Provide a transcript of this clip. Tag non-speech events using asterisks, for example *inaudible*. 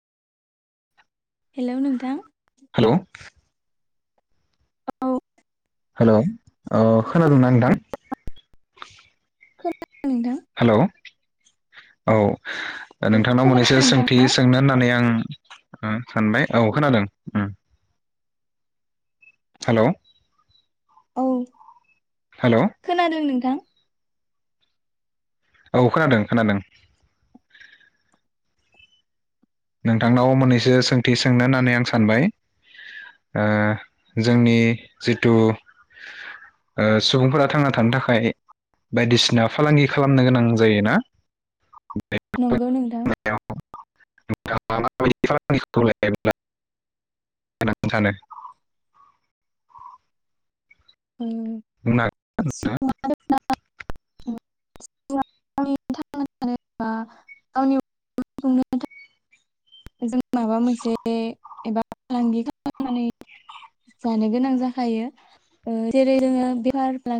हेल' नोंथां हेलौ। औ हेलौ ओ खोनादोंना नोंथां? खोनादों नोंथां। हेलौ औ। नोंथांनाव खोनादों मोननैसो सोंथि नोंथाङा? सोंनो होननानै आं ओ सानबाय औ खोनादों ओम। हेलौ औ। हेलौ खोनादों नों। थां। औ खोनादों खोनादों नोंथांनाव मोननैसो सोंथि सोंनो होननानै आं सानबाय ओ जोंनि जिथु ओ सुबुंफोरा थांना थानो थाखाय बायदिसिना फालांगि खालामनो गोनां जायोना नंगौ नोंथां। नोंथाङा माबायदि *unintelligible* होननानै सानो ओम हागोन *unintelligible* गावनि थांना थानो *unintelligible* जों माबा मोनसे एबा फालांगि खालामनानै जानो गोनां जाखायो जेरै- जोङो बेफार फालां-